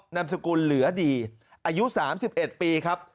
นามสกุลเหลือดีอายุ๓๑ปีครับ